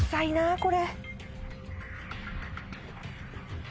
これ。